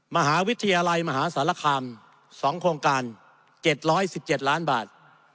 มหาวิทยาลัยมหาสารคาม๒โครงการ๗๑๗ล้านบาท